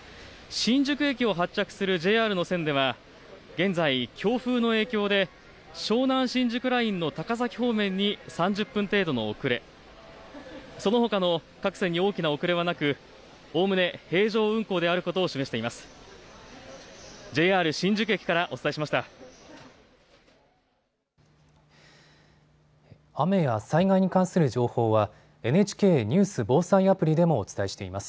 新宿駅を発着するＪＲの線では現在、強風の影響で湘南新宿ラインの高崎方面に３０分程度の遅れ、そのほかの各線に大きな遅れはなくおおむね平常運行であることを示しています。